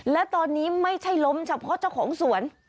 และตอนนี้ไม่ใช่ล้มเฉพาะเจ้าของสวน